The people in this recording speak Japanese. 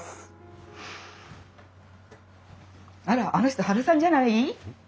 あらあの人ハルさんじゃない？